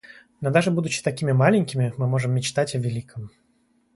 Но даже будучи такими маленькими, мы можем мечтать о великом.